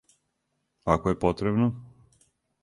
Ако је потребно?